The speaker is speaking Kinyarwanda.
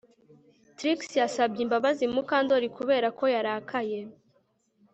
Trix yasabye imbabazi Mukandoli kubera ko yarakaye